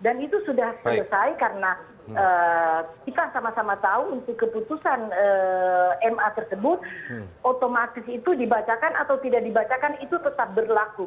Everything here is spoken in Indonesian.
dan itu sudah selesai karena kita sama sama tahu untuk keputusan ma tersebut otomatis itu dibacakan atau tidak dibacakan itu tetap berlaku